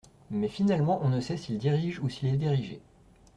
Mais finalement on ne sait s'il dirige ou s'il est dirigé.